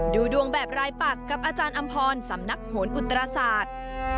ดูดวงแบบรายปักกับอาจารย์อำพรสำนักโหนอุตราศาสตร์